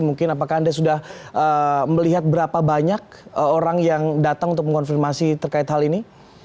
mungkin apakah anda sudah melihat berapa banyak orang yang datang untuk mengonfirmasi terkait hal ini